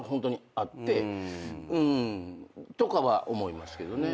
とかは思いますけどね。